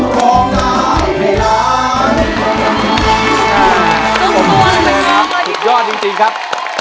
ถูกยอดจริงครับ